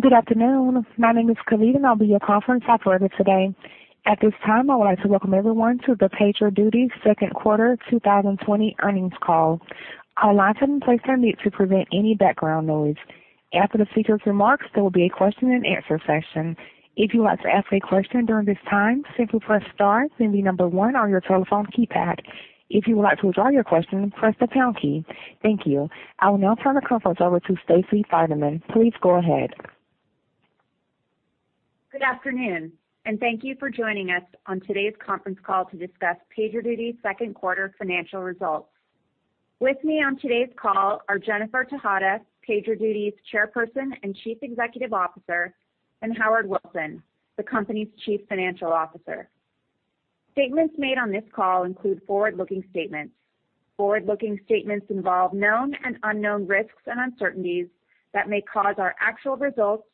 Good afternoon. My name is Khalid, and I'll be your conference operator today. At this time, I would like to welcome everyone to the PagerDuty second quarter 2020 earnings call. All lines have been placed on mute to prevent any background noise. After the featured remarks, there will be a question and answer session. If you would like to ask a question during this time, simply press star, then the number 1 on your telephone keypad. If you would like to withdraw your question, press the pound key. Thank you. I will now turn the conference over to Stacey Finerman. Please go ahead. Good afternoon. Thank you for joining us on today's conference call to discuss PagerDuty's second quarter financial results. With me on today's call are Jennifer Tejada, PagerDuty's Chairperson and Chief Executive Officer, and Howard Wilson, the company's Chief Financial Officer. Statements made on this call include forward-looking statements. Forward-looking statements involve known and unknown risks and uncertainties that may cause our actual results,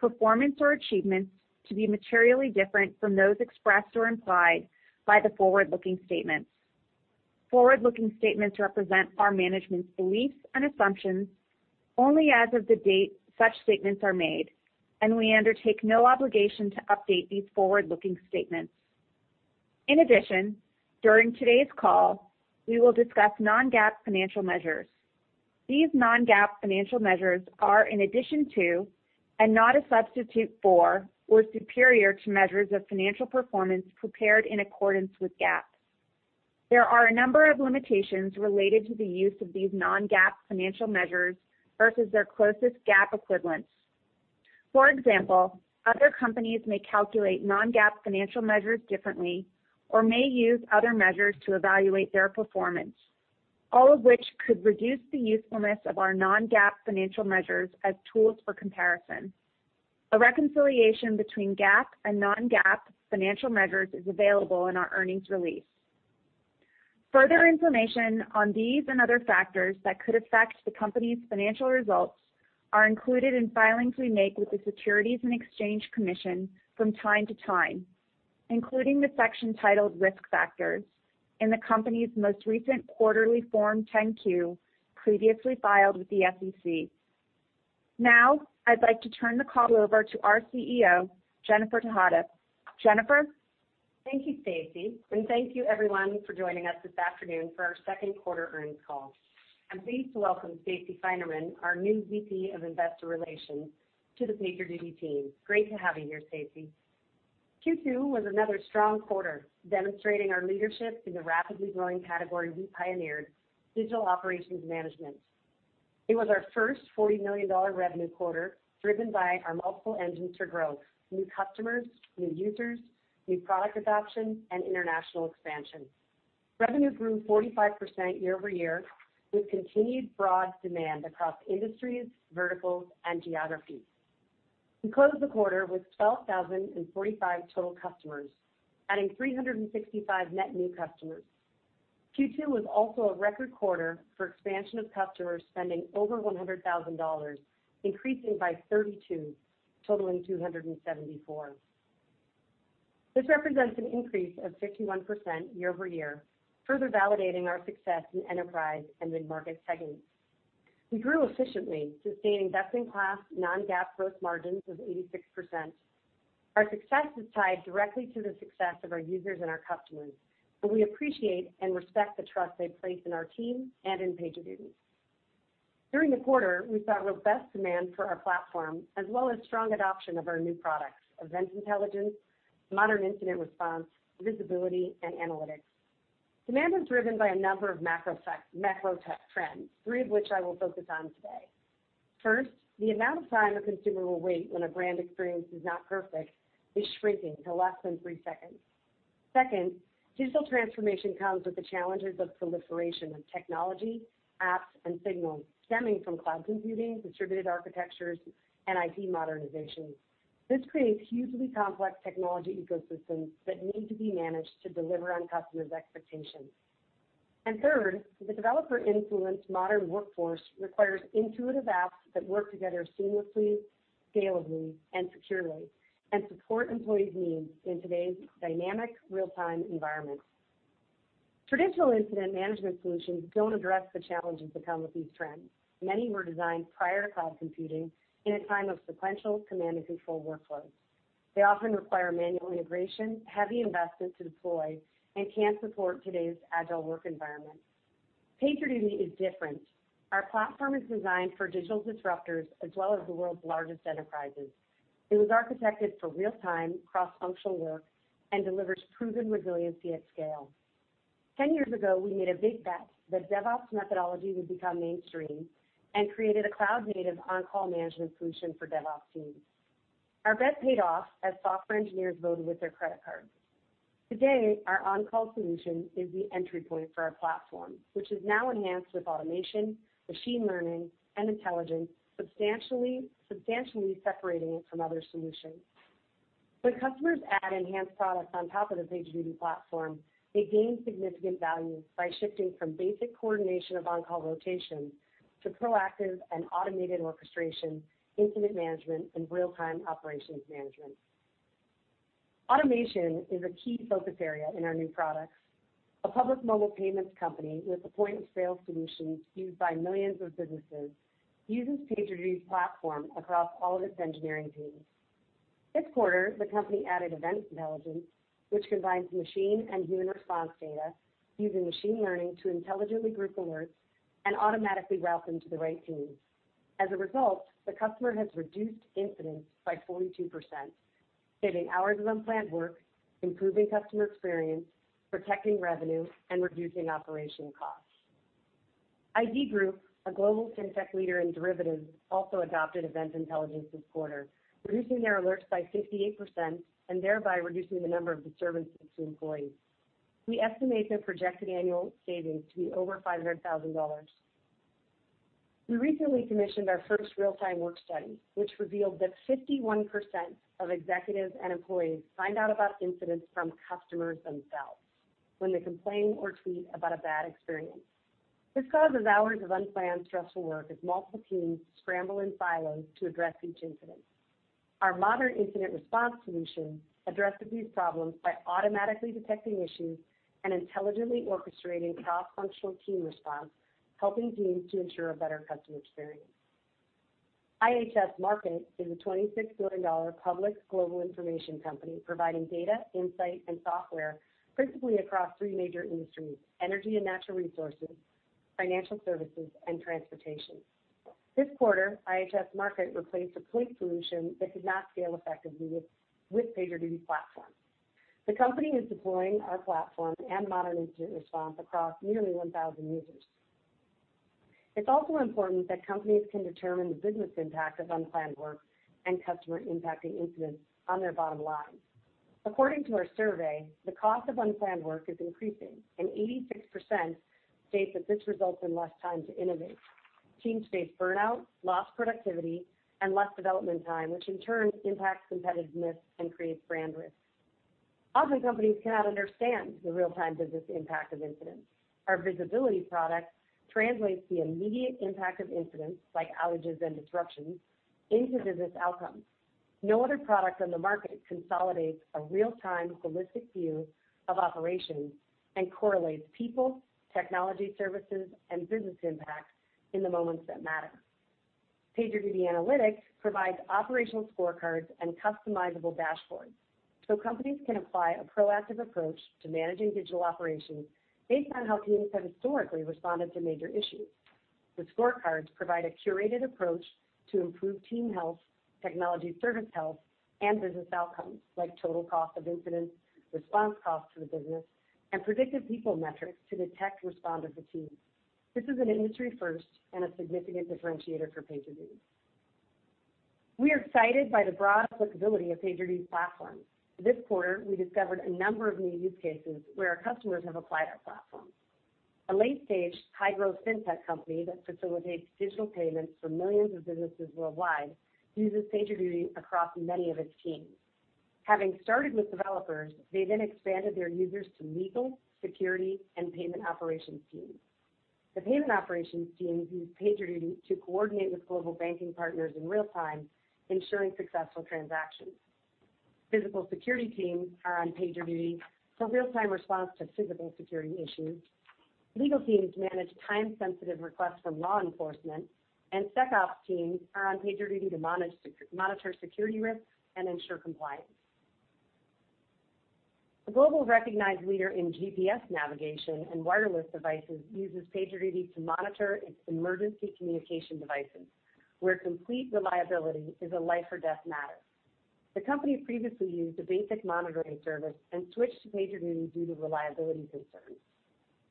performance, or achievements to be materially different from those expressed or implied by the forward-looking statements. Forward-looking statements represent our management's beliefs and assumptions only as of the date such statements are made, and we undertake no obligation to update these forward-looking statements. In addition, during today's call, we will discuss non-GAAP financial measures. These non-GAAP financial measures are in addition to, and not a substitute for or superior to, measures of financial performance prepared in accordance with GAAP. There are a number of limitations related to the use of these non-GAAP financial measures versus their closest GAAP equivalents. For example, other companies may calculate non-GAAP financial measures differently or may use other measures to evaluate their performance, all of which could reduce the usefulness of our non-GAAP financial measures as tools for comparison. A reconciliation between GAAP and non-GAAP financial measures is available in our earnings release. Further information on these and other factors that could affect the company's financial results are included in filings we make with the Securities and Exchange Commission from time to time, including the section titled Risk Factors in the company's most recent quarterly Form 10-Q previously filed with the SEC. I'd like to turn the call over to our CEO, Jennifer Tejada. Jennifer? Thank you, Stacey, thank you everyone for joining us this afternoon for our second quarter earnings call. I'm pleased to welcome Stacey Finerman, our new VP of Investor Relations, to the PagerDuty team. Great to have you here, Stacey. Q2 was another strong quarter demonstrating our leadership in the rapidly growing category we pioneered, digital operations management. It was our first $40 million revenue quarter, driven by our multiple engines for growth, new customers, new users, new product adoption, and international expansion. Revenue grew 45% year-over-year with continued broad demand across industries, verticals, and geographies. We closed the quarter with 12,045 total customers, adding 365 net new customers. Q2 was also a record quarter for expansion of customers spending over $100,000, increasing by 32, totaling 274. This represents an increase of 51% year-over-year, further validating our success in enterprise and mid-market segments. We grew efficiently, sustaining best-in-class non-GAAP gross margins of 86%. Our success is tied directly to the success of our users and our customers, and we appreciate and respect the trust they place in our team and in PagerDuty. During the quarter, we saw robust demand for our platform as well as strong adoption of our new products, Event Intelligence, Modern Incident Response, Visibility, and Analytics. Demand was driven by a number of macro tech trends, three of which I will focus on today. First, the amount of time a consumer will wait when a brand experience is not perfect is shrinking to less than three seconds. Second, digital transformation comes with the challenges of proliferation of technology, apps, and signals stemming from cloud computing, distributed architectures, and IT modernization. This creates hugely complex technology ecosystems that need to be managed to deliver on customers' expectations. Third, the developer-influenced modern workforce requires intuitive apps that work together seamlessly, scalably, and securely and support employees' needs in today's dynamic real-time environment. Traditional incident management solutions don't address the challenges that come with these trends. Many were designed prior to cloud computing in a time of sequential command and control workflows. They often require manual integration, heavy investment to deploy, and can't support today's agile work environment. PagerDuty is different. Our platform is designed for digital disruptors as well as the world's largest enterprises. It was architected for real-time cross-functional work and delivers proven resiliency at scale. 10 years ago, we made a big bet that DevOps methodology would become mainstream and created a cloud-native on-call management solution for DevOps teams. Our bet paid off as software engineers voted with their credit cards. Today, our on-call solution is the entry point for our platform, which is now enhanced with automation, machine learning, and intelligence, substantially separating it from other solutions. When customers add enhanced products on top of the PagerDuty platform, they gain significant value by shifting from basic coordination of on-call rotations to proactive and automated orchestration, incident management, and real-time operations management. Automation is a key focus area in our new products. A public mobile payments company with a point-of-sale solution used by millions of businesses uses PagerDuty's platform across all of its engineering teams. This quarter, the company added Event Intelligence, which combines machine and human response data using machine learning to intelligently group alerts and automatically route them to the right teams. As a result, the customer has reduced incidents by 42%, saving hours of unplanned work, improving customer experience, protecting revenue, and reducing operation costs. IG Group, a global fintech leader in derivatives, also adopted Event Intelligence this quarter, reducing their alerts by 68% and thereby reducing the number of disturbances to employees. We estimate their projected annual savings to be over $500,000. We recently commissioned our first real-time work study, which revealed that 51% of executives and employees find out about incidents from customers themselves when they complain or tweet about a bad experience. This causes hours of unplanned stressful work as multiple teams scramble in silos to address each incident. Our Modern Incident Response solution addresses these problems by automatically detecting issues and intelligently orchestrating cross-functional team response, helping teams to ensure a better customer experience. IHS Markit is a $26 billion public global information company providing data, insight, and software principally across three major industries: energy and natural resources, financial services, and transportation. This quarter, IHS Markit replaced a point solution that could not scale effectively with PagerDuty Platform. The company is deploying our platform and Modern Incident Response across nearly 1,000 users. It's also important that companies can determine the business impact of unplanned work and customer-impacting incidents on their bottom line. According to our survey, the cost of unplanned work is increasing, and 86% state that this results in less time to innovate. Teams face burnout, lost productivity, and less development time, which in turn impacts competitiveness and creates brand risk. Often, companies cannot understand the real-time business impact of incidents. Our Visibility product translates the immediate impact of incidents, like outages and disruptions, into business outcomes. No other product on the market consolidates a real-time holistic view of operations and correlates people, technology services, and business impact in the moments that matter. PagerDuty Analytics provides operational scorecards and customizable dashboards so companies can apply a proactive approach to managing digital operations based on how teams have historically responded to major issues. The scorecards provide a curated approach to improve team health, technology service health, and business outcomes like total cost of incidents, response costs to the business, and predictive people metrics to detect responder fatigue. This is an industry first and a significant differentiator for PagerDuty. We are excited by the broad applicability of PagerDuty's platform. This quarter, we discovered a number of new use cases where our customers have applied our platform. A late-stage high-growth fintech company that facilitates digital payments for millions of businesses worldwide uses PagerDuty across many of its teams. Having started with developers, they then expanded their users to legal, security, and payment operations teams. The payment operations teams use PagerDuty to coordinate with global banking partners in real time, ensuring successful transactions. Physical security teams are on PagerDuty for real-time response to physical security issues. Legal teams manage time-sensitive requests from law enforcement, and SecOps teams are on PagerDuty to monitor security risks and ensure compliance. A globally recognized leader in GPS navigation and wireless devices uses PagerDuty to monitor its emergency communication devices, where complete reliability is a life or death matter. The company previously used a basic monitoring service and switched to PagerDuty due to reliability concerns.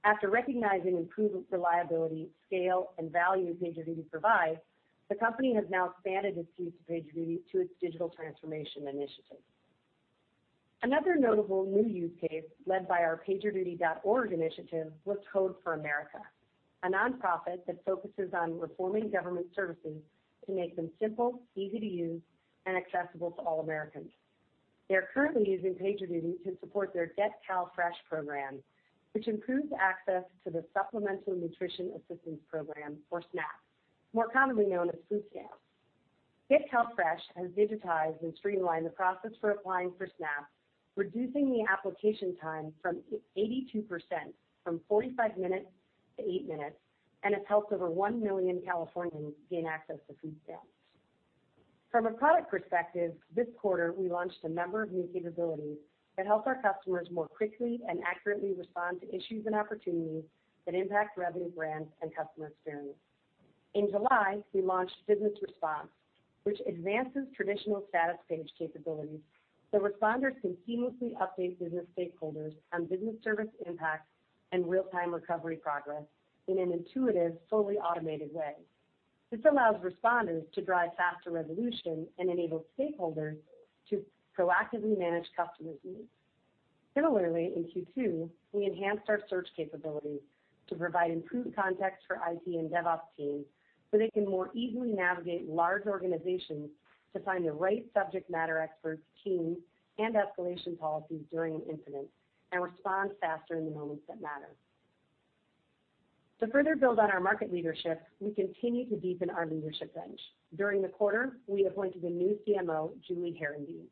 After recognizing improved reliability, scale, and value PagerDuty provides, the company has now expanded its use of PagerDuty to its digital transformation initiative. Another notable new use case led by our PagerDuty.org initiative was Code for America, a nonprofit that focuses on reforming government services to make them simple, easy to use, and accessible to all Americans. They're currently using PagerDuty to support their GetCalFresh program, which improves access to the Supplemental Nutrition Assistance Program, or SNAP, more commonly known as food stamps. GetCalFresh has digitized and streamlined the process for applying for SNAP, reducing the application time from 82%, from 45 minutes to eight minutes, and has helped over 1 million Californians gain access to food stamps. From a product perspective, this quarter, we launched a number of new capabilities that help our customers more quickly and accurately respond to issues and opportunities that impact revenue brands and customer experience. In July, we launched Business Response, which advances traditional status page capabilities so responders can seamlessly update business stakeholders on business service impacts and real-time recovery progress in an intuitive, fully automated way. This allows responders to drive faster resolution and enable stakeholders to proactively manage customers' needs. Similarly, in Q2, we enhanced our search capabilities to provide improved context for IT and DevOps teams so they can more easily navigate large organizations to find the right subject matter experts, teams, and escalation policies during an incident and respond faster in the moments that matter. To further build on our market leadership, we continue to deepen our leadership bench. During the quarter, we appointed a new CMO, Julie Herendeen.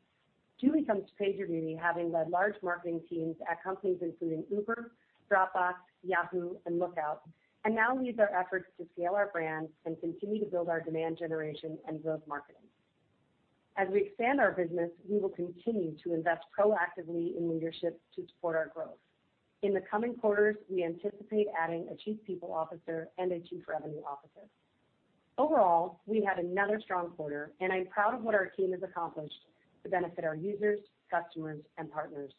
Julie comes to PagerDuty having led large marketing teams at companies including Uber, Dropbox, Yahoo, and Lookout, and now leads our efforts to scale our brand and continue to build our demand generation and growth marketing. As we expand our business, we will continue to invest proactively in leadership to support our growth. In the coming quarters, we anticipate adding a chief people officer and a chief revenue officer. Overall, we had another strong quarter, and I'm proud of what our team has accomplished to benefit our users, customers, and partners.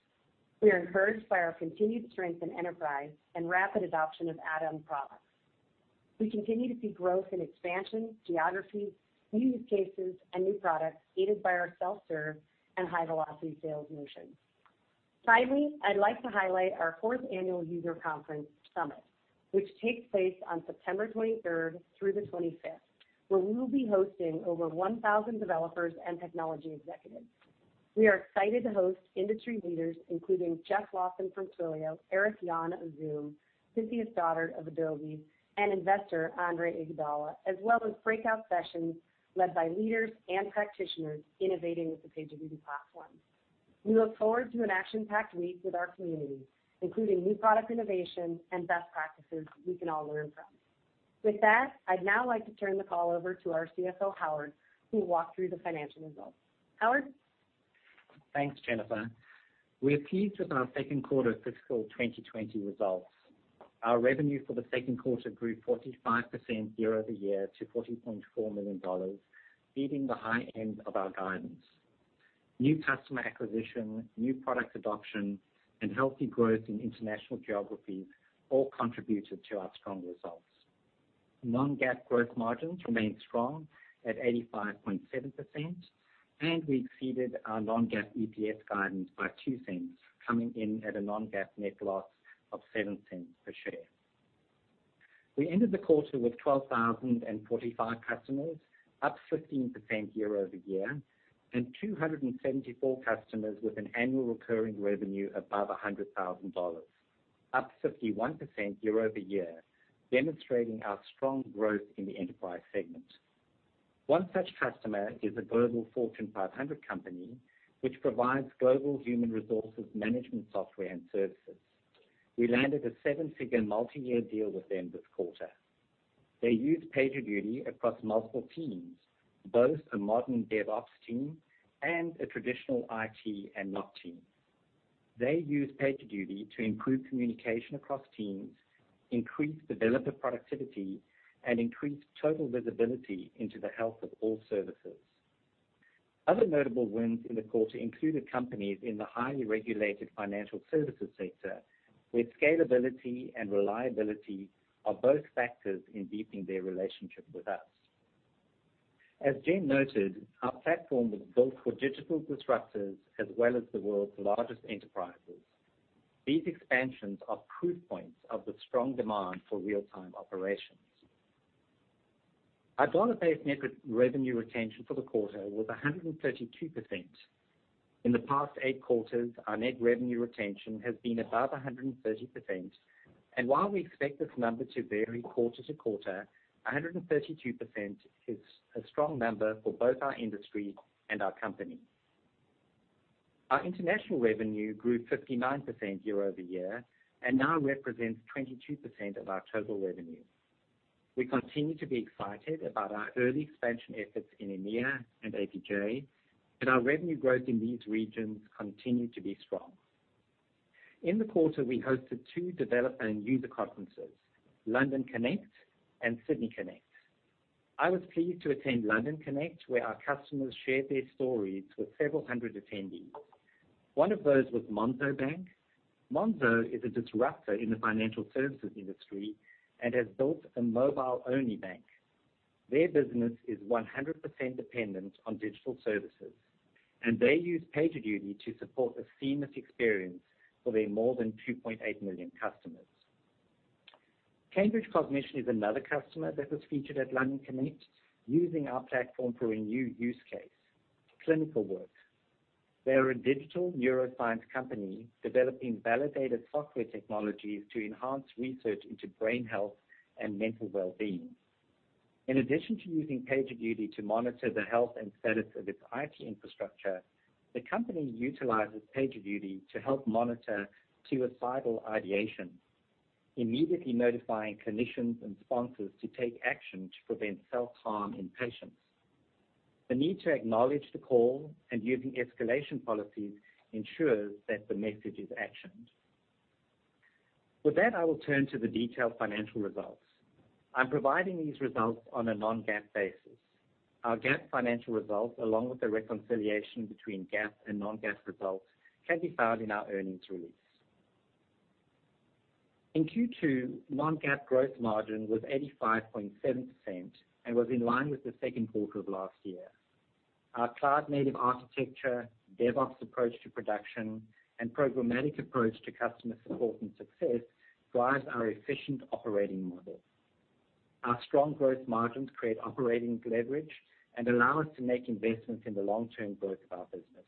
We are encouraged by our continued strength in enterprise and rapid adoption of add-on products. We continue to see growth and expansion, geographies, new use cases, and new products aided by our self-serve and high-velocity sales motion. Finally, I'd like to highlight our fourth annual user conference summit, which takes place on September 23rd through the 25th, where we will be hosting over 1,000 developers and technology executives. We are excited to host industry leaders, including Jeff Lawson from Twilio, Eric Yuan of Zoom, Cynthia Stoddard of Adobe, and investor Andreessen, as well as breakout sessions led by leaders and practitioners innovating with the PagerDuty platform. We look forward to an action-packed week with our community, including new product innovation and best practices we can all learn from. With that, I'd now like to turn the call over to our CFO, Howard, who will walk through the financial results. Howard? Thanks, Jennifer. We're pleased with our second quarter fiscal 2020 results. Our revenue for the second quarter grew 45% year-over-year to $40.4 million, beating the high end of our guidance. New customer acquisition, new product adoption, and healthy growth in international geographies all contributed to our strong results. Non-GAAP growth margins remained strong at 85.7%, and we exceeded our non-GAAP EPS guidance by $0.02, coming in at a non-GAAP net loss of $0.07 per share. We ended the quarter with 12,045 customers, up 15% year-over-year, and 274 customers with an annual recurring revenue above $100,000, up 51% year-over-year, demonstrating our strong growth in the enterprise segment. One such customer is a global Fortune 500 company, which provides global human resources management software and services. We landed a seven-figure multiyear deal with them this quarter. They use PagerDuty across multiple teams, both a modern DevOps team and a traditional IT and NOC team. They use PagerDuty to improve communication across teams, increase developer productivity, and increase total visibility into the health of all services. Other notable wins in the quarter included companies in the highly regulated financial services sector, where scalability and reliability are both factors in deepening their relationship with us. As Jen noted, our platform was built for digital disruptors as well as the world's largest enterprises. These expansions are proof points of the strong demand for real-time operations. Our dollar-based net revenue retention for the quarter was 132%. In the past eight quarters, our net revenue retention has been above 130%, and while we expect this number to vary quarter to quarter, 132% is a strong number for both our industry and our company. Our international revenue grew 59% year-over-year and now represents 22% of our total revenue. We continue to be excited about our early expansion efforts in EMEA and APJ, and our revenue growth in these regions continue to be strong. In the quarter, we hosted two developer and user conferences, London Connect and Sydney Connect. I was pleased to attend London Connect, where our customers shared their stories with several hundred attendees. One of those was Monzo Bank. Monzo is a disruptor in the financial services industry and has built a mobile-only bank. Their business is 100% dependent on digital services, and they use PagerDuty to support a seamless experience for their more than 2.8 million customers. Cambridge Cognition is another customer that was featured at London Connect, using our platform for a new use case, clinical work. They are a digital neuroscience company developing validated software technologies to enhance research into brain health and mental well-being. In addition to using PagerDuty to monitor the health and status of its IT infrastructure, the company utilizes PagerDuty to help monitor suicidal ideation, immediately notifying clinicians and sponsors to take action to prevent self-harm in patients. The need to acknowledge the call and using escalation policies ensures that the message is actioned. With that, I will turn to the detailed financial results. I'm providing these results on a non-GAAP basis. Our GAAP financial results, along with the reconciliation between GAAP and non-GAAP results, can be found in our earnings release. In Q2, non-GAAP growth margin was 85.7% and was in line with the second quarter of last year. Our cloud-native architecture, DevOps approach to production, and programmatic approach to customer support and success drives our efficient operating model. Our strong growth margins create operating leverage and allow us to make investments in the long-term growth of our business.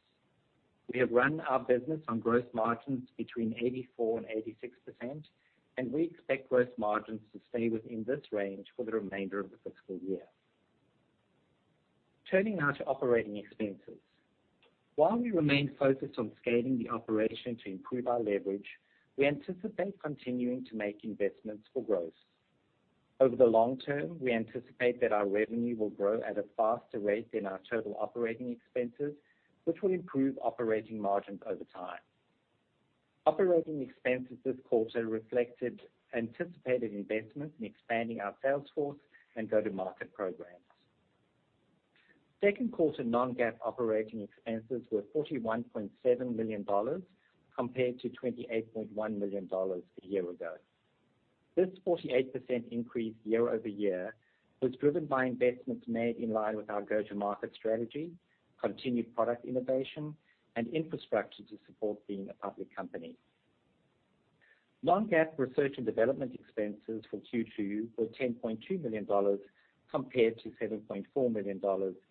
We have run our business on growth margins between 84% and 86%, and we expect growth margins to stay within this range for the remainder of the fiscal year. Turning now to operating expenses. While we remain focused on scaling the operation to improve our leverage, we anticipate continuing to make investments for growth. Over the long term, we anticipate that our revenue will grow at a faster rate than our total operating expenses, which will improve operating margins over time. Operating expenses this quarter reflected anticipated investments in expanding our sales force and go-to-market programs. Second quarter non-GAAP operating expenses were $41.7 million compared to $28.1 million a year ago. This 48% increase year-over-year was driven by investments made in line with our go-to-market strategy, continued product innovation, and infrastructure to support being a public company. Non-GAAP research and development expenses for Q2 were $10.2 million, compared to $7.4 million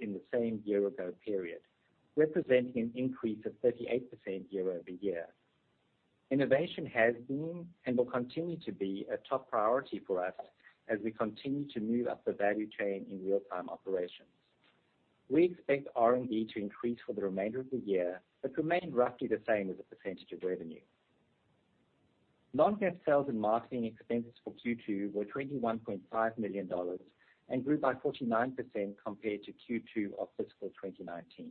in the same year ago period, representing an increase of 38% year-over-year. Innovation has been, and will continue to be, a top priority for us as we continue to move up the value chain in real-time operations. We expect R&D to increase for the remainder of the year, but remain roughly the same as a % of revenue. Non-GAAP sales and marketing expenses for Q2 were $21.5 million and grew by 49% compared to Q2 of fiscal 2019.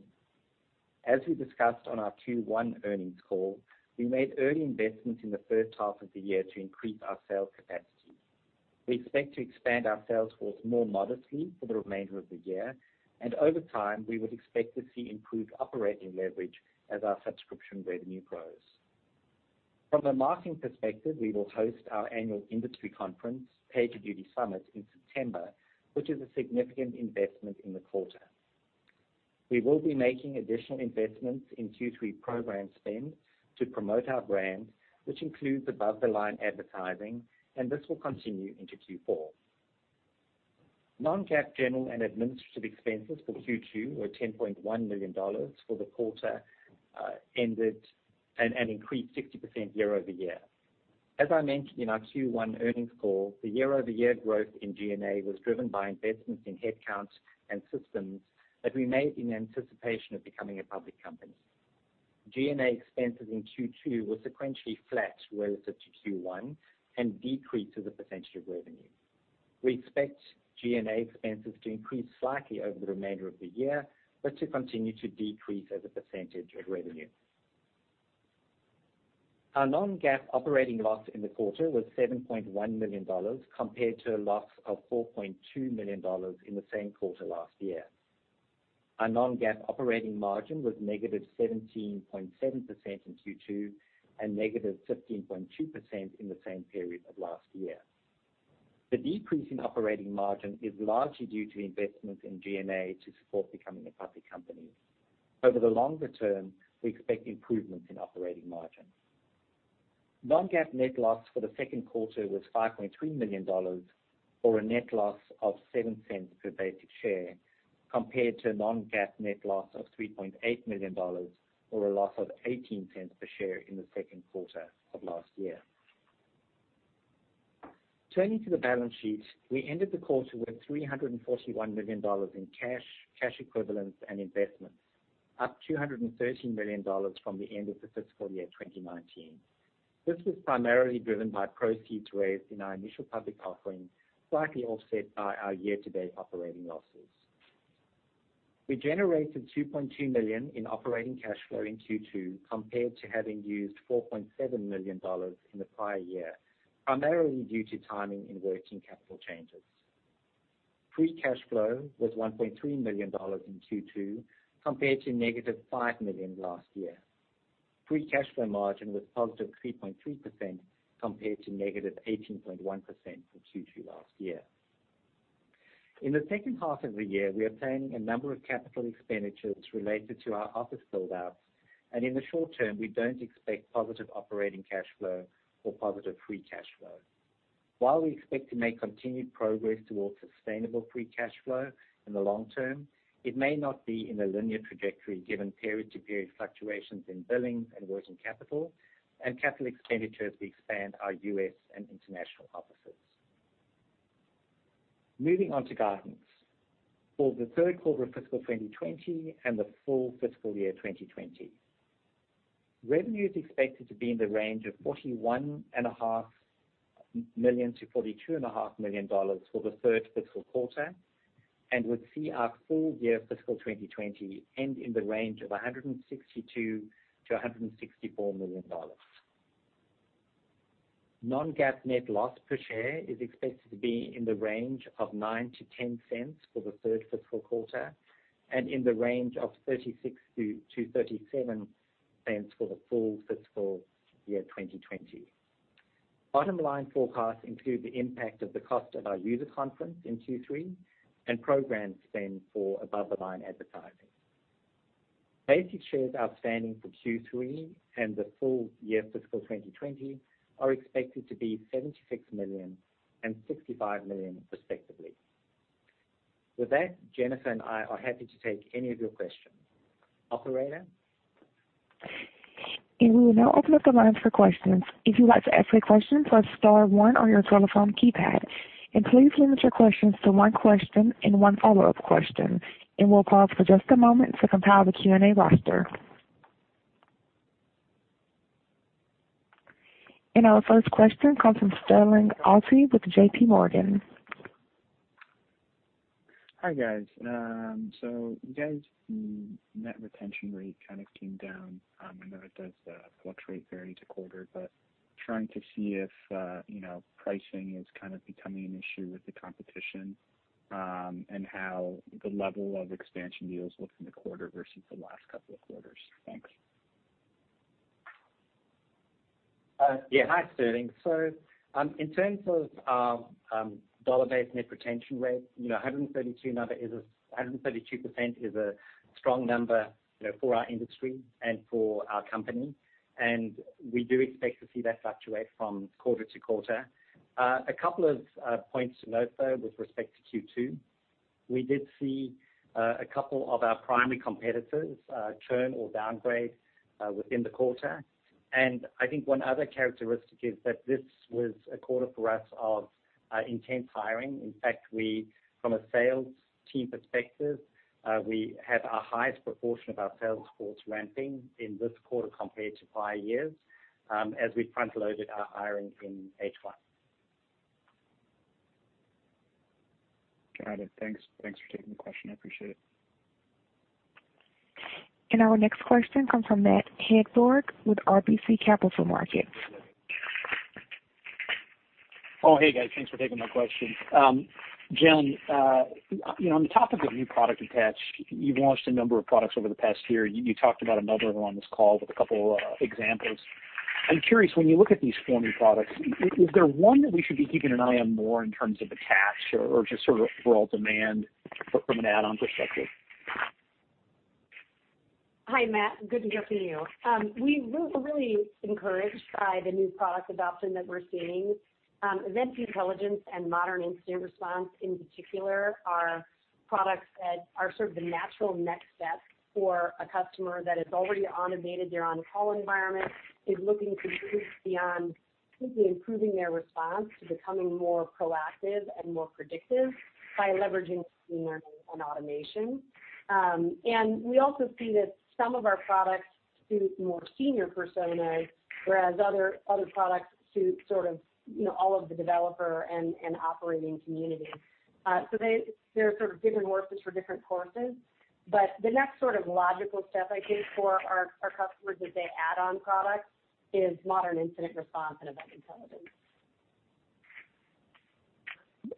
As we discussed on our Q1 earnings call, we made early investments in the first half of the year to increase our sales capacity. We expect to expand our sales force more modestly for the remainder of the year, and over time, we would expect to see improved operating leverage as our subscription revenue grows. From a marketing perspective, we will host our annual industry conference, PagerDuty Summit, in September, which is a significant investment in the quarter. We will be making additional investments in Q3 program spend to promote our brand, which includes above-the-line advertising, and this will continue into Q4. Non-GAAP general and administrative expenses for Q2 were $10.1 million for the quarter ended, and increased 60% year-over-year. As I mentioned in our Q1 earnings call, the year-over-year growth in G&A was driven by investments in headcounts and systems that we made in anticipation of becoming a public company. G&A expenses in Q2 were sequentially flat relative to Q1 and decreased as a % of revenue. We expect G&A expenses to increase slightly over the remainder of the year, but to continue to decrease as a % of revenue. Our non-GAAP operating loss in the quarter was $7.1 million, compared to a loss of $4.2 million in the same quarter last year. Our non-GAAP operating margin was negative 17.7% in Q2 and negative 15.2% in the same period of last year. The decrease in operating margin is largely due to investments in G&A to support becoming a public company. Over the longer term, we expect improvements in operating margin. Non-GAAP net loss for the second quarter was $5.3 million, or a net loss of $0.07 per basic share, compared to non-GAAP net loss of $3.8 million, or a loss of $0.18 per share in the second quarter of last year. Turning to the balance sheet, we ended the quarter with $341 million in cash equivalents, and investments, up $213 million from the end of the fiscal year 2019. This was primarily driven by proceeds raised in our initial public offering, slightly offset by our year-to-date operating losses. We generated $2.2 million in operating cash flow in Q2 compared to having used $4.7 million in the prior year, primarily due to timing and working capital changes. Free cash flow was $1.3 million in Q2, compared to negative $5 million last year. Free cash flow margin was positive 3.3%, compared to negative 18.1% for Q2 last year. In the second half of the year, we are planning a number of capital expenditures related to our office build-outs, and in the short term, we don't expect positive operating cash flow or positive free cash flow. While we expect to make continued progress towards sustainable free cash flow in the long term, it may not be in a linear trajectory given period-to-period fluctuations in billing and working capital and capital expenditures to expand our U.S. and international offices. Moving on to guidance. For the third quarter of fiscal 2020 and the full fiscal year 2020, revenue is expected to be in the range of $41.5 million-$42.5 million for the third fiscal quarter, and would see our full year fiscal 2020 end in the range of $162 million-$164 million. Non-GAAP net loss per share is expected to be in the range of $0.09-$0.10 for the third fiscal quarter and in the range of $0.36-$0.37 for the full fiscal year 2020. Bottom line forecasts include the impact of the cost of our PagerDuty Summit in Q3 and program spend for above-the-line advertising. Basic shares outstanding for Q3 and the full year fiscal 2020 are expected to be 76 million and 65 million respectively. With that, Jennifer and I are happy to take any of your questions. Operator? We will now open up the lines for questions. If you'd like to ask a question, press star 1 on your telephone keypad. Please limit your questions to 1 question and 1 follow-up question. We'll pause for just a moment to compile the Q&A roster. Our first question comes from Sterling Auty with JPMorgan. Hi, guys. You guys, net retention rate kind of came down. I know it does fluctuate fairly to quarter, but trying to see if pricing is kind of becoming an issue with the competition, and how the level of expansion deals looked in the quarter versus the last couple of quarters? Thanks. Hi, Sterling. In terms of dollar-based net retention rate, 132% is a strong number for our industry and for our company, and we do expect to see that fluctuate from quarter to quarter. A couple of points to note, though, with respect to Q2. We did see a couple of our primary competitors churn or downgrade within the quarter. I think one other characteristic is that this was a quarter for us of intense hiring. In fact, from a sales team perspective, we had our highest proportion of our sales force ramping in this quarter compared to prior years, as we front-loaded our hiring in H1. Got it. Thanks for taking the question. I appreciate it. Our next question comes from Matt Hedberg with RBC Capital Markets. Hey guys, thanks for taking my question. Jen, on the topic of new product attach, you've launched a number of products over the past year. You talked about a number of them on this call with a couple of examples. I'm curious, when you look at these four new products, is there one that we should be keeping an eye on more in terms of attach or just sort of overall demand from an add-on perspective? Hi, Matt. Good to hear from you. We're really encouraged by the new product adoption that we're seeing. Event Intelligence and Modern Incident Response, in particular, are products that are sort of the natural next step for a customer that has already automated their on-call environment, is looking to move beyond simply improving their response to becoming more proactive and more predictive by leveraging machine learning and automation. We also see that some of our products suit more senior personas, whereas other products suit sort of all of the developer and operating community. They're sort of different horses for different courses. The next sort of logical step, I think, for our customers as they add on products is Modern Incident Response and Event Intelligence.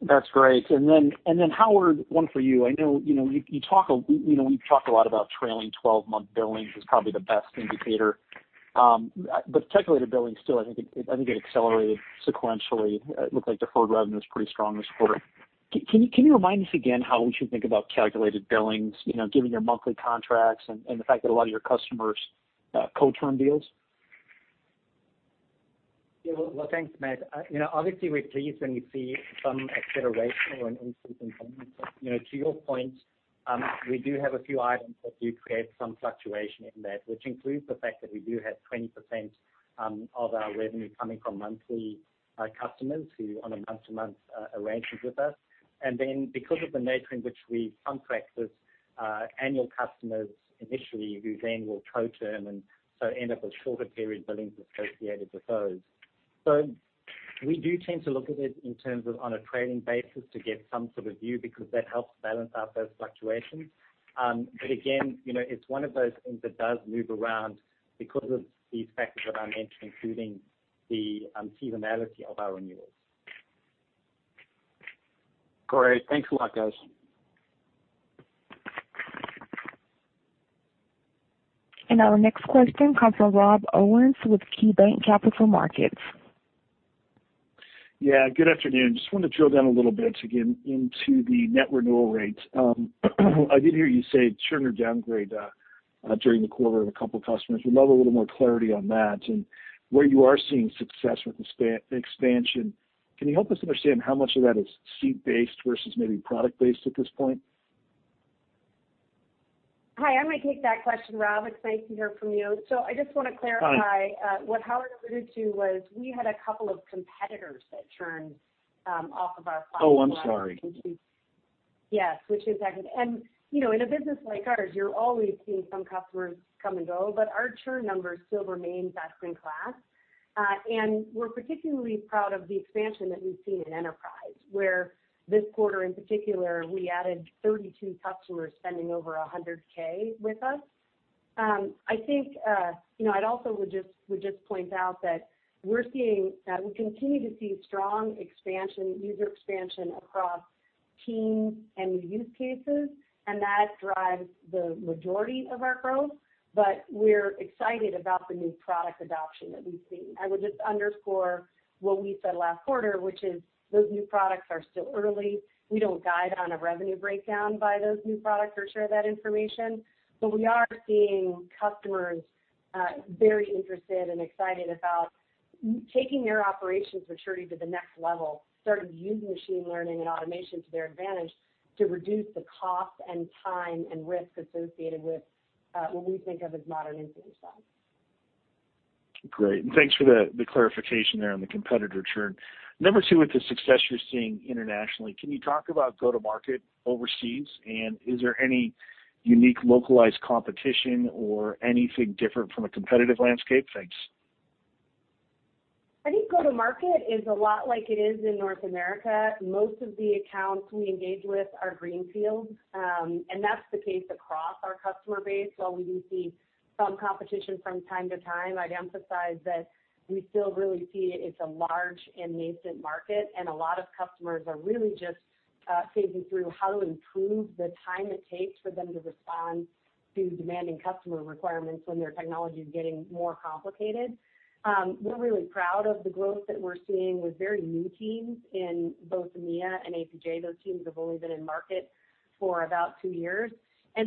That's great. Howard, one for you. I know we've talked a lot about trailing 12-month billings is probably the best indicator. Calculated billings still, I think it accelerated sequentially. It looked like deferred revenue was pretty strong this quarter. Can you remind us again how we should think about calculated billings, given your monthly contracts and the fact that a lot of your customers co-term deals? Well, thanks, Matt. Obviously, we're pleased when we see some acceleration or an increase in spending. To your point, we do have a few items that do create some fluctuation in that, which includes the fact that we do have 20% of our revenue coming from monthly customers who are on a month-to-month arrangement with us. Because of the nature in which we contract with annual customers initially, who then will co-term and so end up with shorter period billings associated with those. We do tend to look at it in terms of on a trailing basis to get some sort of view, because that helps balance out those fluctuations. Again, it's one of those things that does move around because of these factors that I mentioned, including the seasonality of our renewals. Great. Thanks a lot, guys. Our next question comes from Rob Owens with KeyBanc Capital Markets. Good afternoon. Just wanted to drill down a little bit again into the net renewal rates. I did hear you say churn or downgrade during the quarter of a couple customers. Would love a little more clarity on that and where you are seeing success with expansion. Can you help us understand how much of that is seat-based versus maybe product-based at this point? Hi, I'm going to take that question, Rob. It's nice to hear from you. I just want to clarify. Hi. What Howard alluded to was we had a couple of competitors that churned off of our platform last quarter. Oh, I'm sorry. Yes. In a business like ours, you're always seeing some customers come and go, but our churn numbers still remain best in class. We're particularly proud of the expansion that we've seen in enterprise, where this quarter in particular, we added 32 customers spending over $100K with us. I think, I'd also would just point out that we continue to see strong expansion, user expansion across teams and new use cases, and that drives the majority of our growth. We're excited about the new product adoption that we've seen. I would just underscore what we said last quarter, which is those new products are still early. We don't guide on a revenue breakdown by those new products or share that information. We are seeing customers very interested and excited about taking their operations maturity to the next level, starting to use machine learning and automation to their advantage to reduce the cost and time and risk associated with what we think of as Modern Incident Response. Great. Thanks for the clarification there on the competitor churn. Number 2, with the success you're seeing internationally, can you talk about go-to-market overseas? Is there any unique localized competition or anything different from a competitive landscape? Thanks. I think go-to-market is a lot like it is in North America. Most of the accounts we engage with are greenfields, and that's the case across our customer base. While we do see some competition from time to time, I'd emphasize that we still really see it's a large and nascent market, and a lot of customers are really just figuring through how to improve the time it takes for them to respond to demanding customer requirements when their technology is getting more complicated. We're really proud of the growth that we're seeing with very new teams in both EMEA and APJ. Those teams have only been in market for about two years.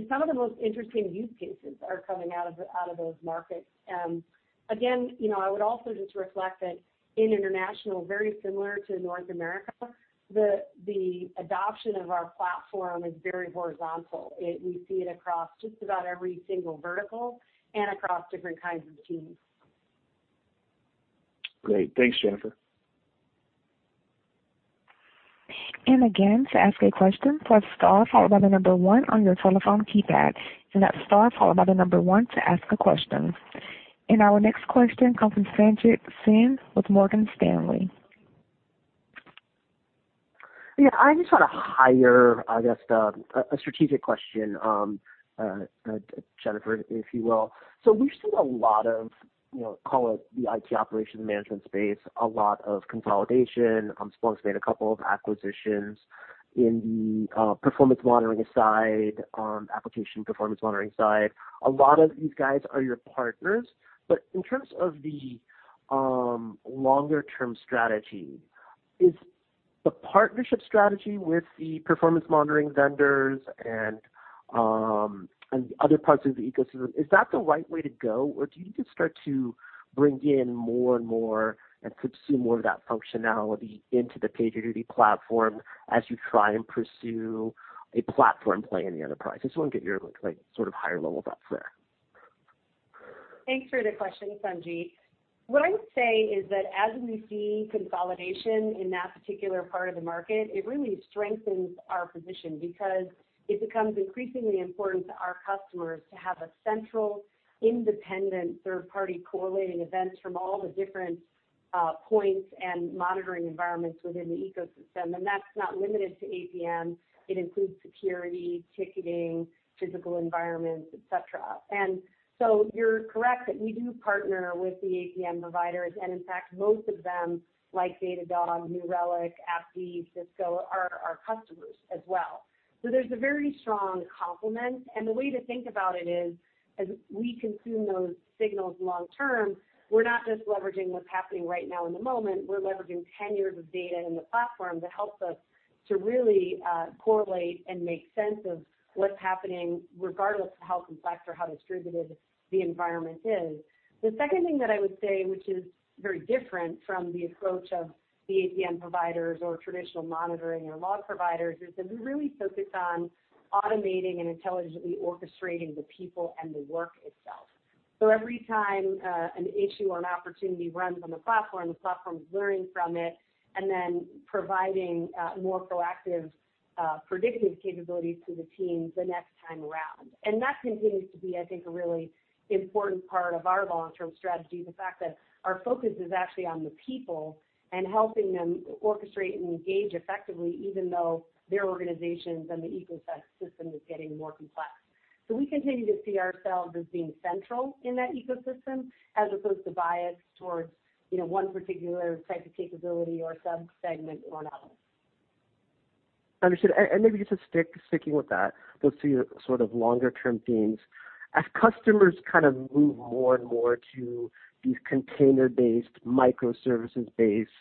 Some of the most interesting use cases are coming out of those markets. Again, I would also just reflect that in international, very similar to North America, the adoption of our platform is very horizontal. We see it across just about every single vertical and across different kinds of teams. Great. Thanks, Jennifer. Again, to ask a question, press star followed by the number 1 on your telephone keypad. That's star followed by the number 1 to ask a question. Our next question comes from Sanjit Singh with Morgan Stanley. I just want a higher, I guess, a strategic question, Jennifer, if you will. We've seen a lot of, call it the IT operations management space, a lot of consolidation. Splunk's made a couple of acquisitions in the performance monitoring side, application performance monitoring side. A lot of these guys are your partners. In terms of the longer-term strategy, is the partnership strategy with the performance monitoring vendors and other parts of the ecosystem, is that the right way to go, or do you need to start to bring in more and more and consume more of that functionality into the PagerDuty platform as you try and pursue a platform play in the enterprise? I just want to get your sort of higher-level thoughts there. Thanks for the question, Sanjit. What I would say is that as we see consolidation in that particular part of the market, it really strengthens our position because it becomes increasingly important to our customers to have a central, independent third party correlating events from all the different points and monitoring environments within the ecosystem. That's not limited to APM. It includes security, ticketing, physical environments, et cetera. You're correct that we do partner with the APM providers, and in fact, most of them, like Datadog, New Relic, AppDynamics, Cisco, are our customers as well. There's a very strong complement, and the way to think about it is, as we consume those signals long term, we're not just leveraging what's happening right now in the moment. We're leveraging 10 years of data in the platform that helps us to really correlate and make sense of what's happening regardless of how complex or how distributed the environment is. The second thing that I would say, which is very different from the approach of the APM providers or traditional monitoring or log providers, is that we're really focused on automating and intelligently orchestrating the people and the work itself. Every time an issue or an opportunity runs on the platform, the platform is learning from it and then providing more proactive predictive capabilities to the team the next time around. That continues to be, I think, a really important part of our long-term strategy, the fact that our focus is actually on the people and helping them orchestrate and engage effectively, even though their organizations and the ecosystem is getting more complex. We continue to see ourselves as being central in that ecosystem as opposed to biased towards one particular type of capability or sub-segment or another. Understood. Maybe just sticking with that, those sort of longer-term themes. As customers kind of move more and more to these container-based, microservices-based,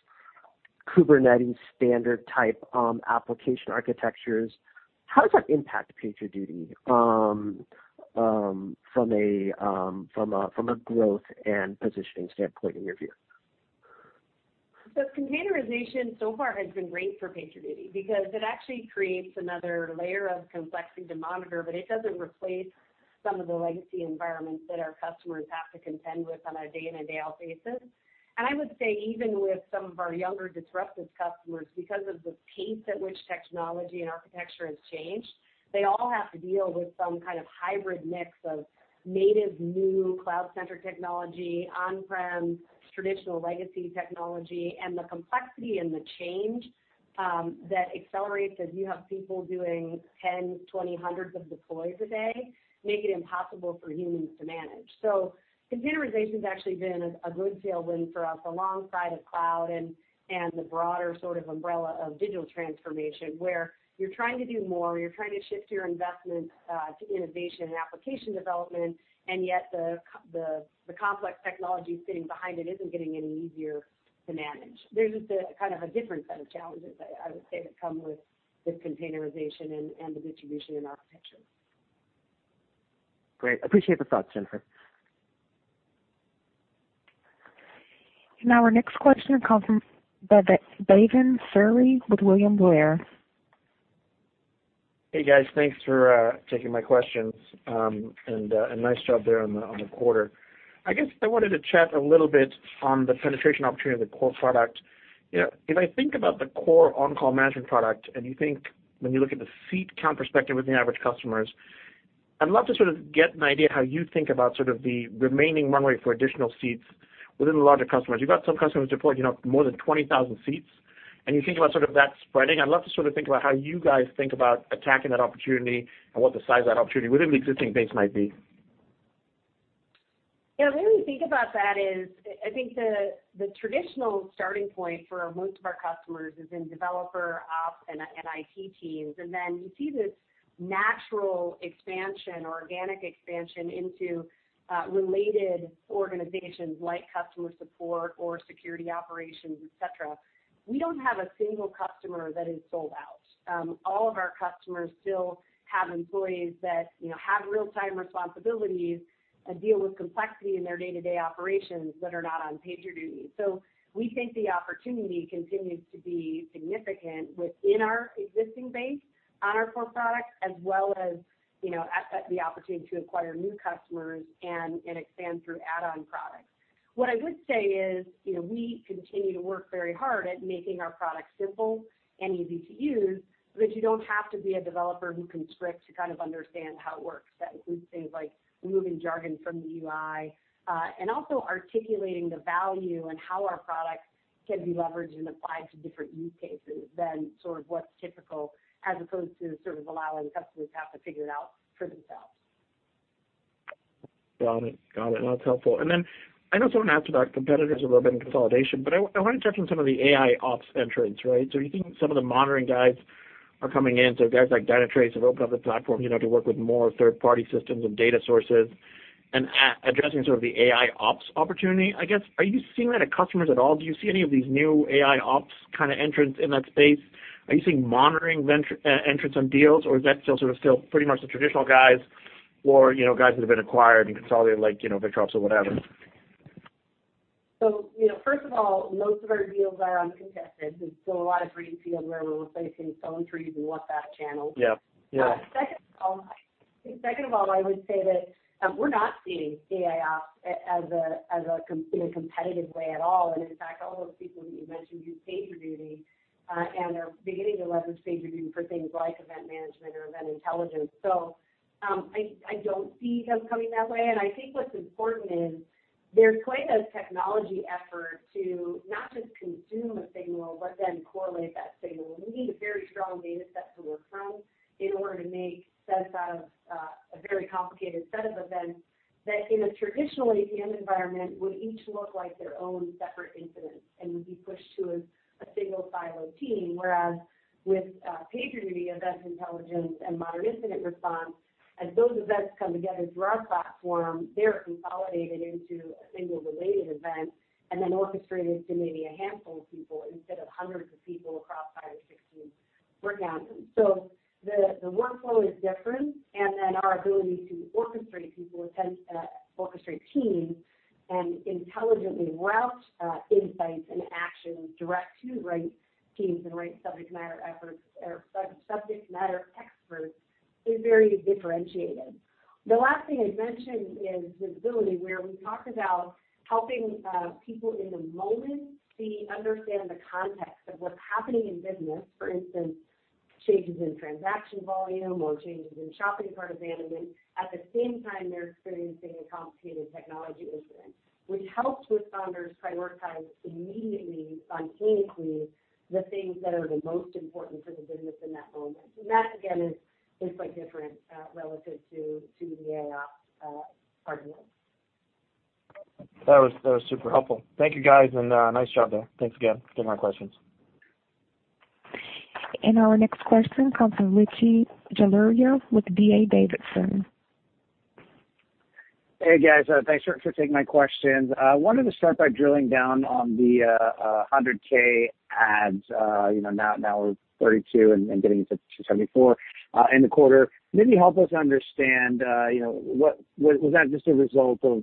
Kubernetes standard type application architectures, how does that impact PagerDuty from a growth and positioning standpoint in your view? Containerization so far has been great for PagerDuty because it actually creates another layer of complexity to monitor, but it doesn't replace some of the legacy environments that our customers have to contend with on a day-in and day-out basis. I would say even with some of our younger disruptive customers, because of the pace at which technology and architecture has changed, they all have to deal with some kind of hybrid mix of native new cloud-centric technology, on-prem, traditional legacy technology. The complexity and the change that accelerates as you have people doing 10, 20, hundreds of deploys a day make it impossible for humans to manage. Containerization's actually been a good tailwind for us alongside of cloud and the broader sort of umbrella of digital transformation, where you're trying to do more, you're trying to shift your investment to innovation and application development, and yet the complex technology sitting behind it isn't getting any easier to manage. There's just kind of a different set of challenges, I would say, that come with containerization and the distribution and architecture. Great. Appreciate the thoughts, Jennifer. Our next question comes from Bhavan Suri with William Blair. Hey, guys. Thanks for taking my questions. Nice job there on the quarter. I guess I wanted to chat a little bit on the penetration opportunity of the core product. If I think about the core on-call management product, and you think when you look at the seat count perspective with the average customers, I'd love to sort of get an idea how you think about sort of the remaining runway for additional seats within the larger customers. You've got some customers deployed, more than 20,000 seats, and you think about sort of that spreading. I'd love to sort of think about how you guys think about attacking that opportunity and what the size of that opportunity within the existing base might be. Yeah, the way we think about that is, I think the traditional starting point for most of our customers is in DevOps and IT teams. Then you see this natural expansion or organic expansion into related organizations like customer support or SecOps, et cetera. We don't have a single customer that is sold out. All of our customers still have employees that have real-time responsibilities and deal with complexity in their day-to-day operations that are not on PagerDuty. We think the opportunity continues to be significant within our existing base on our core products, as well as the opportunity to acquire new customers and expand through add-on products. What I would say is, we continue to work very hard at making our product simple and easy to use, so that you don't have to be a developer who can script to kind of understand how it works. That includes things like removing jargon from the UI, and also articulating the value and how our products can be leveraged and applied to different use cases than sort of what's typical, as opposed to sort of allowing customers to have to figure it out for themselves. Got it. That's helpful. Then I know someone asked about competitors a little bit in consolidation, but I want to touch on some of the AIOps entrants, right? You think some of the monitoring guys are coming in, so guys like Dynatrace have opened up their platform to work with more third-party systems and data sources and addressing sort of the AIOps opportunity, I guess. Are you seeing that at customers at all? Do you see any of these new AIOps kind of entrants in that space? Are you seeing monitoring entrants on deals, or is that still sort of pretty much the traditional guys or guys that have been acquired and consolidated, like VictorOps or whatever? First of all, most of our deals are uncontested, a lot of greenfield where we're replacing phone trees and what that entails. Yeah. Second of all, I would say that we're not seeing AIOps as a competitive way at all. In fact, all those people that you mentioned use PagerDuty, and they're beginning to leverage PagerDuty for things like event management or Event Intelligence. I don't see them coming that way. I think what's important is there's quite a technology effort to not just consume a signal but then correlate that signal. You need a very strong data set to work from in order to make sense out of a very complicated set of events that in a traditional APM environment would each look like their own separate incident and would be pushed to a single siloed team. Whereas with PagerDuty Event Intelligence and Modern Incident Response, as those events come together through our platform, they're consolidated into a single related event and then orchestrated to maybe a handful of people instead of hundreds of people across five or six teams working on them. The workflow is different, and then our ability to orchestrate people, orchestrate teams, and intelligently route insights and actions direct to the right teams and the right subject matter experts is very differentiated. The last thing I'd mention is visibility, where we talk about helping people in the moment see, understand the context of what's happening in business. For instance, changes in transaction volume or changes in shopping cart abandonment. At the same time, they're experiencing a complicated technology incident, which helps responders prioritize immediately, spontaneously, the things that are the most important to the business in that moment. That, again, is quite different, relative to the AIOps argument. That was super helpful. Thank you, guys, and nice job there. Thanks again for taking my questions. Our next question comes from Rishi Jaluria with D.A. Davidson. Hey, guys, thanks for taking my questions. I wanted to start by drilling down on the 100K adds. Now [we're] 32 and getting into 74 in the quarter. Maybe help us understand, was that just a result of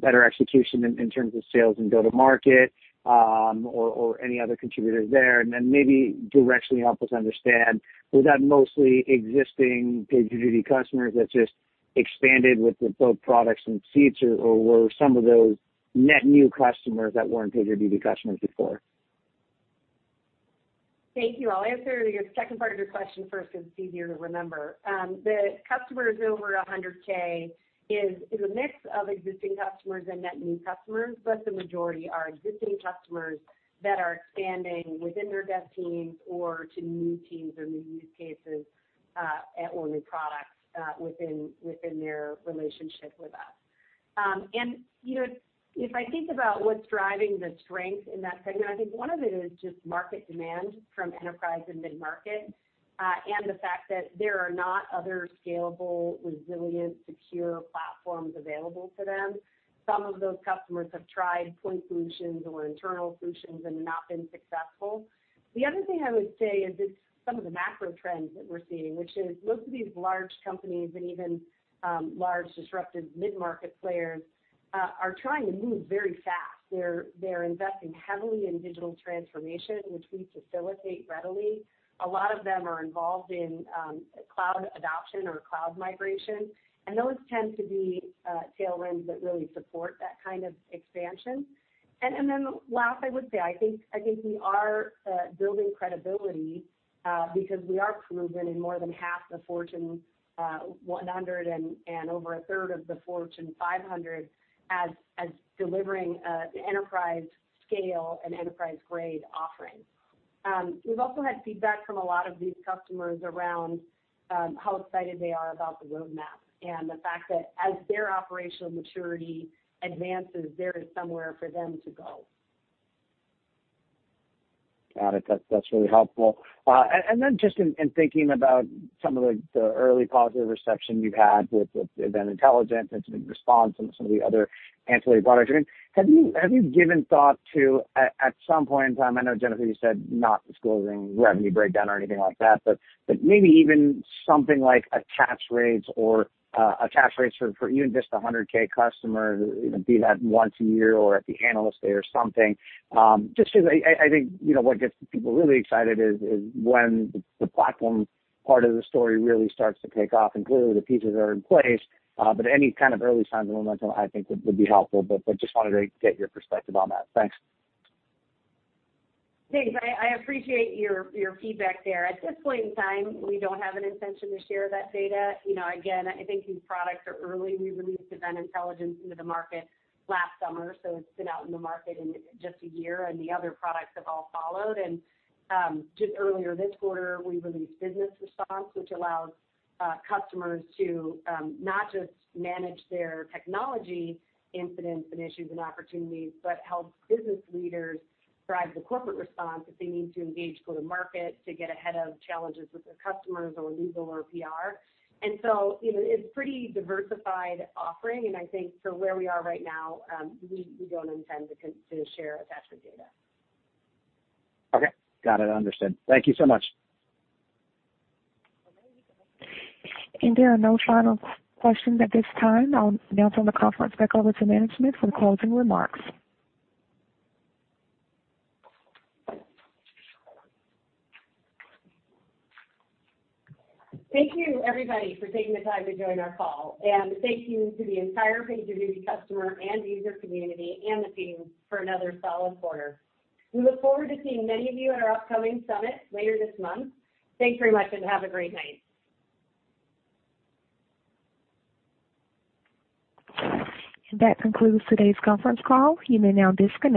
better execution in terms of sales and go-to-market, or any other contributors there? Then maybe directly help us understand, was that mostly existing PagerDuty customers that just expanded with both products and seats, or were some of those net new customers that weren't PagerDuty customers before? Thank you. I'll answer the second part of your question first because it's easier to remember. The customers over 100K is a mix of existing customers and net new customers. The majority are existing customers that are expanding within their dev teams or to new teams or new use cases, or new products within their relationship with us. If I think about what's driving the strength in that segment, I think one of it is just market demand from enterprise and mid-market, and the fact that there are not other scalable, resilient, secure platforms available to them. Some of those customers have tried point solutions or internal solutions and not been successful. The other thing I would say is it's some of the macro trends that we're seeing, which is most of these large companies and even large disruptive mid-market players are trying to move very fast. They're investing heavily in digital transformation, which we facilitate readily. A lot of them are involved in cloud adoption or cloud migration, and those tend to be tailwinds that really support that kind of expansion. Last, I would say, I think we are building credibility because we are proven in more than half the Fortune 100 and over a third of the Fortune 500 as delivering enterprise scale and enterprise-grade offerings. We've also had feedback from a lot of these customers around how excited they are about the roadmap and the fact that as their operational maturity advances, there is somewhere for them to go. Got it. That's really helpful. Then just in thinking about some of the early positive reception you've had with Event Intelligence, Incident Response, and some of the other ancillary products, have you given thought to, at some point in time, I know, Jennifer, you said not disclosing revenue breakdown or anything like that, but maybe even something like attach rates or attach rates for even just the 100K customer, be that once a year or at the Analyst Day or something. Just because I think what gets people really excited is when the platform part of the story really starts to take off, and clearly the pieces are in place. Any kind of early signs of momentum I think would be helpful, but just wanted to get your perspective on that. Thanks. Thanks. I appreciate your feedback there. At this point in time, we don't have an intention to share that data. Again, I think these products are early. We released Event Intelligence into the market last summer, so it's been out in the market just a year, and the other products have all followed. Just earlier this quarter, we released Business Response, which allows customers to not just manage their technology incidents and issues and opportunities, but helps business leaders drive the corporate response if they need to engage, go to market to get ahead of challenges with their customers or legal or PR. It's pretty diversified offering, and I think for where we are right now, we don't intend to share attachment data. Okay. Got it. Understood. Thank you so much. There are no final questions at this time. I'll now turn the conference back over to management for closing remarks. Thank you, everybody, for taking the time to join our call, and thank you to the entire PagerDuty customer and user community and the team for another solid quarter. We look forward to seeing many of you at our upcoming PagerDuty Summit later this month. Thanks very much and have a great night. That concludes today's conference call. You may now disconnect.